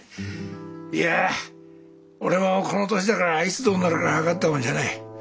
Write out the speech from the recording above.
いや俺もこの年だからいつどうなるか分かったもんじゃない。